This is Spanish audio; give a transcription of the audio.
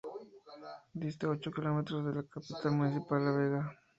Dista ocho kilómetros de la capital municipal, La Vega.